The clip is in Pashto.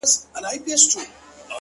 سترگي چي اوس نه برېښي د خدای له نور-